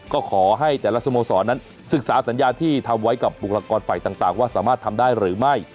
ก็ขอให้แต่ละสโมสรนั้นศึกษาสัญญาที่ทำไว้กับบุคลากรฝ่ายต่างว่าสามารถทำได้หรือไม่